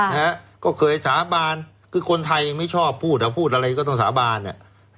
นะฮะก็เคยสาบานคือคนไทยไม่ชอบพูดอ่ะพูดอะไรก็ต้องสาบานอ่ะ